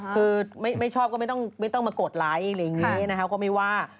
คือไม่ชอบก็ไม่ต้องมากดไลค์อะไรอย่างนี้นะคะก็ไม่ว่า